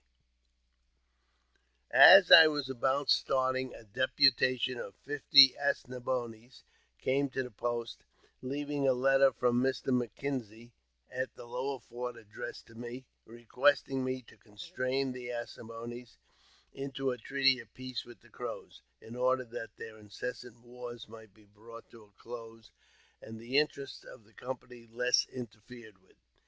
252 AUTOBIOGBAPHY OF As I was about starting, a deputation of fifty As ne boines came to the post, leaving a letter from Mr. M'Kenzie at the> ^ lower fort addressed to me, requesting me to constrain the As II ne boines into a treaty of peace with the Crows, in order that ' their incessant wars might be brought to a close, and the interests of the company less interfered with.